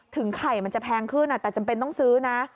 ไข่มันจะแพงขึ้นแต่จำเป็นต้องซื้อนะ